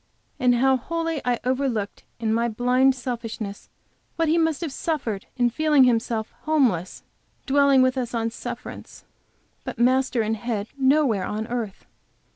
And how wholly I overlooked, in my blind selfishness, what he must have suffered in feeling himself, homeless, dwelling with us on sufferance, but master and head nowhere on earth!